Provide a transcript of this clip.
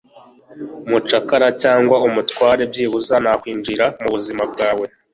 Umucakara cyangwa umutware byibuze nakwinjira mubuzima bwawe